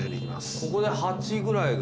ここで８ぐらいが。